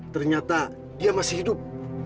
ternyata dia masih hidup